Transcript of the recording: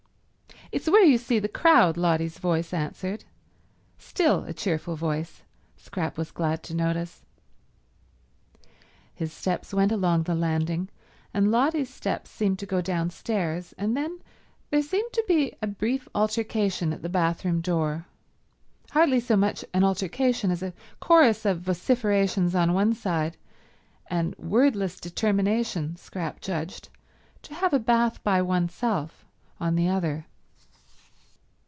"It's where you see the crowd," Lotty's voice answered—still a cheerful voice, Scrap was glad to notice. His steps went along the landing, and Lotty's steps seemed to go downstairs, and then there seemed to be a brief altercation at the bathroom door—hardly so much an altercation as a chorus of vociferations on one side and wordless determination, Scrap judged, to have a bath by oneself on the other.